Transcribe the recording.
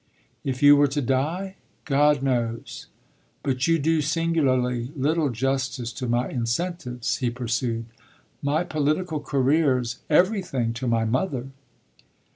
"If you were to die? God knows! But you do singularly little justice to my incentives," he pursued. "My political career's everything to my mother."